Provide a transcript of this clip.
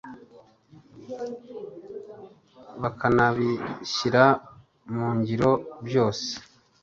bakanabishyira mu ngiro byose